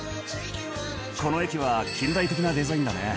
この駅は近代的なデザインだね。